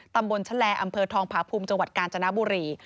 ตำบลชะแลอำเภอทองผาภูมิจังหวัดกาญจนบุรี